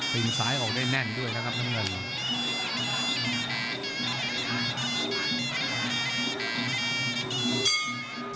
ซ้ายออกได้แน่นด้วยนะครับน้ำเงิน